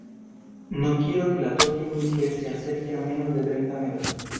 no quiero que la toque ni que se acerque a menos de treinta metros.